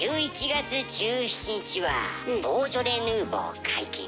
１１月１７日はボージョレ・ヌーボー解禁。